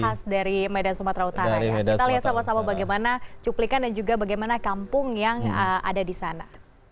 khas dari medan sumatera utara ya kita lihat sama sama bagaimana cuplikan dan juga bagaimana kampung yang ada di sana